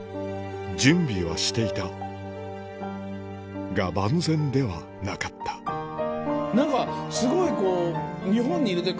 準備はしていたが万全ではなかったすごいこう。